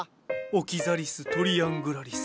オキザリス・トリアングラリス。